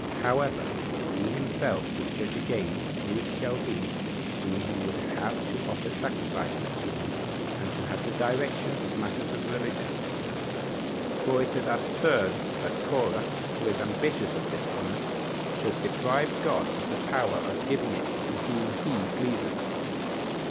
However, he himself will judge again who it shall be whom he would have to offer sacrifices to him, and to have the direction of matters of religion; for it is absurd that Corah, who is ambitious of this honor, should deprive God of the power of giving it to whom he pleases.